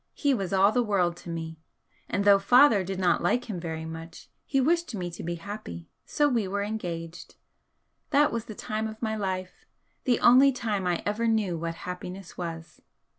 He was all the world to me, and though father did not like him very much he wished me to be happy, so we were engaged. That was the time of my life the only time I ever knew what happiness was.